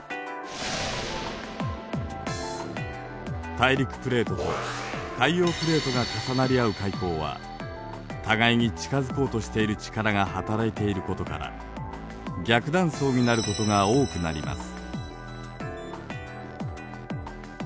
大陸プレートと海洋プレートが重なり合う海溝は互いに近づこうとしている力が働いていることから「逆断層」になることが多くなります。